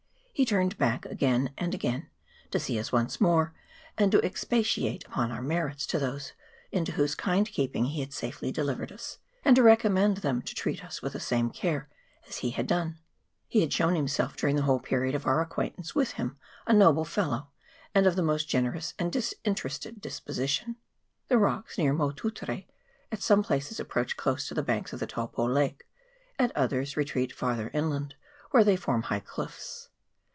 He turned back again and again, to see us once more, and to expatiate upon our merits to those into whose kind keeping he had safely delivered us, and to recommend them to treat us with, the same care as he had done. He had shown himself during the whole period of our ac quaintance with him a noble fellow, and of the most generous and disinterested disposition. The rocks near Motutere at some places ap proach close to the banks of the Taupo lake, at others retreat farther inland, where they form high cliffs.